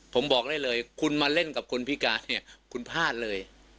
ผมบอกได้เลยคุณมาเล่นกับคนพิการเนี่ยคุณพลาดเลย